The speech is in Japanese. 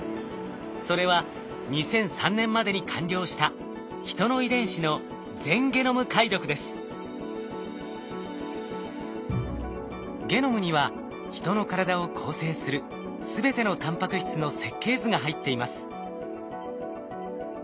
それは２００３年までに完了した人の遺伝子のゲノムには人の体を構成する全てのタンパク質の設計図が入っています。